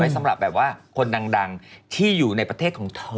สำหรับแบบว่าคนดังที่อยู่ในประเทศของเธอ